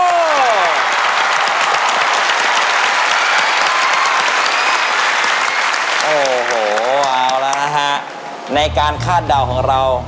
โอ้โหเอาแล้วนะฮะในการคาดเดาของเรา